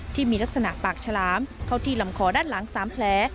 ที่มีลักษณะปากฉลามเข้าที่ลำคอด้านหลัง๓แผล